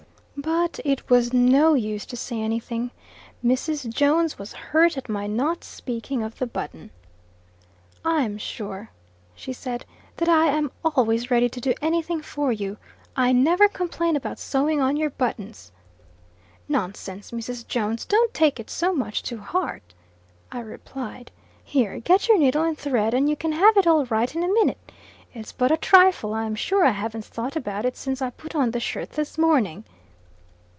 But it was no use to say anything; Mrs. Jones was hurt at my not speaking of the button. "I'm sure," she said, "that I am always ready to do anything for you. I never complain about sewing on your buttons." "Nonsense, Mrs. Jones! don't take it so much to heart," I replied; "here, get your needle and thread, and you can have it all right in a minute. It's but a trifle I'm sure I havn't thought about it since I put on the shirt this morning."